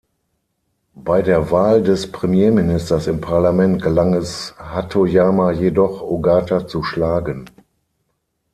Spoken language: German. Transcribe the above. Bei der Wahl des Premierministers im Parlament gelang es Hatoyama jedoch, Ogata zu schlagen.